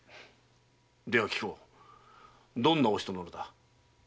では聞こうどんなお人なのだ？